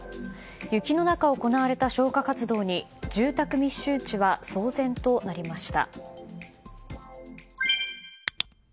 雪の中行われた消火活動に住宅密集地は騒然となりました。